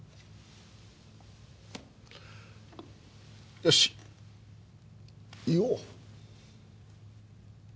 よし言おう。